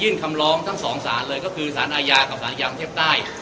มีคำลองทั้งสองศาลเลยก็คือศาลอาญากับศาลอิยามเทพใต้